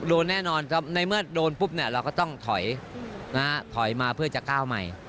โดนแน่นอนในเมื่อโดนปุ๊บเราก็ต้องถอยมาเพื่อจะก้าวใหม่